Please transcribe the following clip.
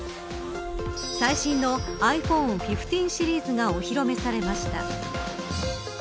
最新のｉＰｈｏｎｅ１５シリーズがお披露目されました。